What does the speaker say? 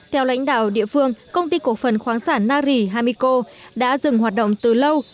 theo lãnh đạo địa phương công ty cổ phần khoáng sản nari hamiko đã dừng hoạt động từ lâu